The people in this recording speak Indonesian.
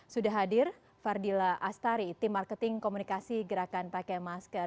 sudah hadir fardila astari tim marketing komunikasi gerakan pakai masker